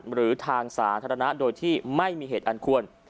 หรือทางสาธารณะโดยที่ไม่มีเหตุอันควร